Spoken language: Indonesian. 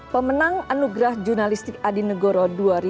pemenang anugerah jurnalistik adi negoro dua ribu dua puluh